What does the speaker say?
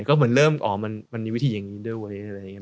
ก็เหมือนอ๋อมันมีวิธีอย่างงี้ด้วยอะไรอย่างเงี้ย